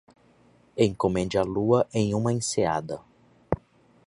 Encomende a lua em uma enseada.